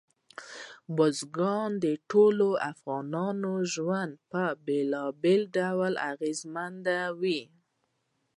بزګان د ټولو افغانانو ژوند په بېلابېلو ډولونو اغېزمنوي.